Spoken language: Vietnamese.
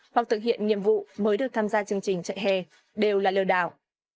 hoặc thực hiện nhiệm vụ mới được tham gia chương trình chạy hè đều là lừa đảo